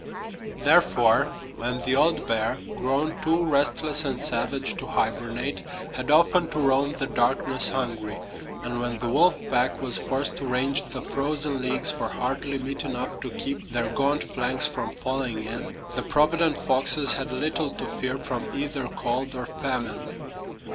Therefore, when the old bear, grown too restless and savage to hibernate, had often to roam the darkness hungry, and when the wolf pack was forced to range the frozen leagues for hardly meat enough to keep their gaunt flanks from falling in, the provident foxes had little to fear from either cold or famine.